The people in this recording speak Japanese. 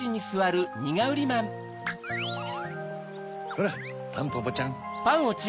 ほらタンポポちゃん。